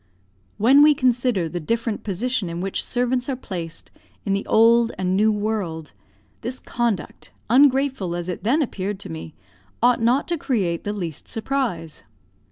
When we consider the different position in which servants are placed in the old and new world, this conduct, ungrateful as it then appeared to me, ought not to create the least surprise.